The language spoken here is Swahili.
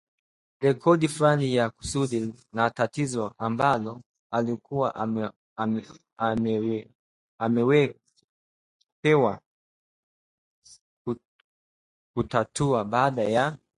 rekodi fulani ya kusudi na tatizo ambalo alikuwa amewekewa kutatua? baada ya